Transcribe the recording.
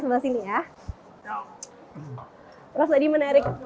prof tadi menarik